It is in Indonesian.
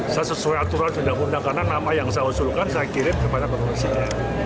saya sesuai aturan undang undang karena nama yang saya usulkan saya kirim kepada bapak presiden